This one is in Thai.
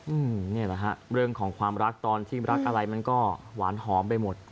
นี่แหละฮะเรื่องของความรักตอนที่รักอะไรมันก็หวานหอมไปหมด